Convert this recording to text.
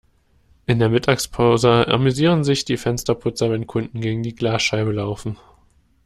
In der Mittagspause amüsieren sich die Fensterputzer, wenn Kunden gegen die Glasscheibe laufen.